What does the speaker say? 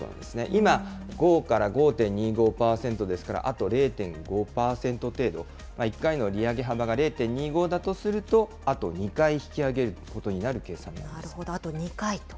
今、５から５．２５％ですから、あと０．５％程度、１回の利上げ幅が０．２５だとすると、あと２回引き上げることになる計算なんです。